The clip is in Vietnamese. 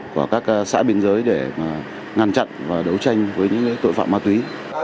của các xã biên giới để ngăn chặn và đấu tranh với những tội phạm ma túy